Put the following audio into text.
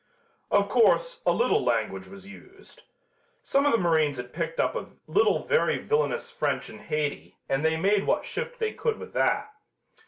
Of course, a little language was used. Some of the marines had picked up a little very villainous French in Hayti and they made what shift they could with that.